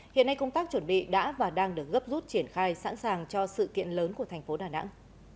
hiện nay công tác chuẩn bị đã và đang được gấp rút triển khai sẵn sàng cho sự kiện lớn của thành phố đà nẵng